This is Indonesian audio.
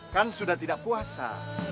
kan sudah tidak puasa